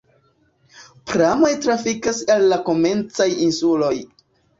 Pramoj trafikas al la komencaj insuloj.